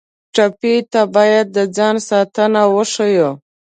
ټپي ته باید د ځان ساتنه وښیو.